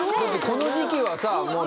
この時期はさもう